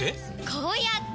こうやって！